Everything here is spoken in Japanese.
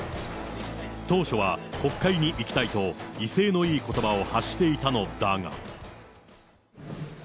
当初は国会に行きたいと、威勢のいいことばを発していたのだが。